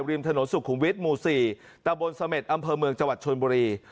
ริมถนนสุขุมวิทย์หมู่๔ตะบนเสม็ดอำเภอเมืองจังหวัดชนบุรี